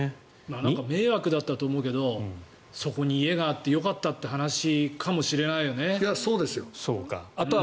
迷惑だったと思うけどそこに家があってよかったって話かもしれないよね。